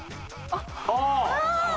ああ！